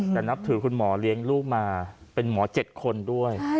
แต่นับถือคุณหมอเลี้ยงลูกมาเป็นหมอ๗คนด้วย